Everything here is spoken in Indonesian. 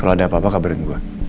kalau ada apa apa kabarin gue